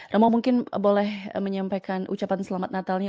romo mungkin boleh menyampaikan ucapan selamat natalnya